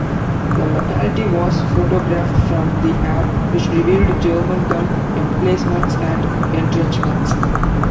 The locality was photographed from the air, which revealed German gun emplacements and entrenchments.